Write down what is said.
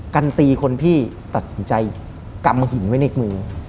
กันตีคนพี่ตัดสินใจกำหินไว้ในมือ